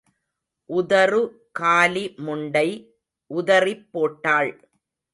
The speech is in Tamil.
உதறு காலி முண்டை உதறிப் போட்டாள்.